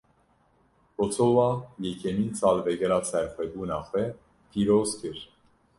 Kosowa, yekemîn salvegera serxwebûna xwe pîroz kir